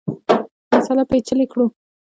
مسأله پېچلې کړو.